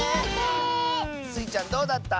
スイちゃんどうだった？